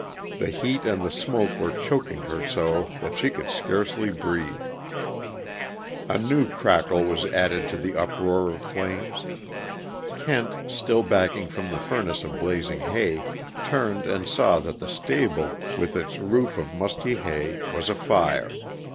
The heat and the smoke were choking her so that she could scarcely breathe. A new crackle was added to the uproar of flames. Kent, still backing from the furnace of blazing hay, turned, and saw that the stable, with its roof of musty hay, was afire.